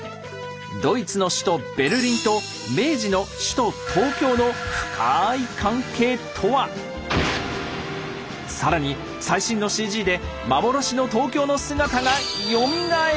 ドイツの首都ベルリンと明治の首都東京の更に最新のＣＧで幻の東京の姿がよみがえる！